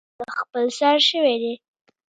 احمد اوس د خپل سر شوی دی.